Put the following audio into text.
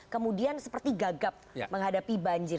kemudian seperti gagap menghadapi banjir